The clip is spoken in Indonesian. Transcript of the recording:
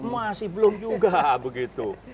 masih belum juga begitu